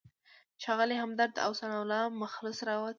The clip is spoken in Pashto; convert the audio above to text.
ښاغلی همدرد او ثناالله مخلص راووتل.